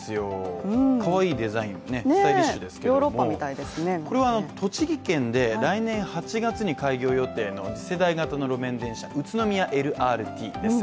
かわいいデザイン、スタイリッシュですけれども、これは栃木県で来年８月に開業予定の次世代型の路面電車、宇都宮ＬＲＴです。